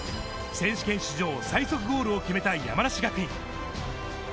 選手権史上最速ゴールを決めた山梨学院。